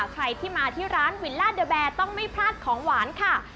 ใครที่มาที่ร้านวิลล่าเดอร์แบร์ต้องไม่พลาดของหวานค่ะ